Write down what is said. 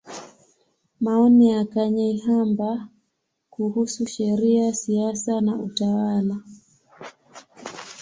Maoni ya Kanyeihamba kuhusu Sheria, Siasa na Utawala.